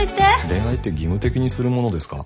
恋愛って義務的にするものですか？